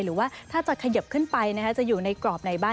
หรือว่าถ้าจะขยิบขึ้นไปจะอยู่ในกรอบไหนบ้าง